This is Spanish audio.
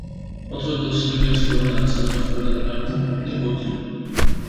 Otros dos singles fueron lanzados fuera del álbum "Devotion.